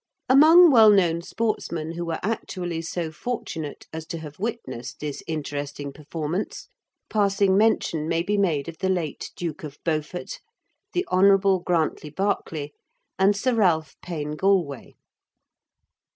Among well known sportsmen who were actually so fortunate as to have witnessed this interesting performance, passing mention may be made of the late Duke of Beaufort, the Hon. Grantley Berkeley, and Sir Ralph Payne Gallwey.